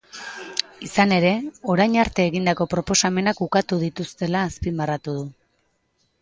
Izan ere, orain arte egindako proposamenak ukatu dituztela azpimarratu du.